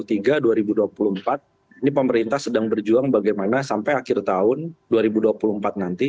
ini pemerintah sedang berjuang bagaimana sampai akhir tahun dua ribu dua puluh empat nanti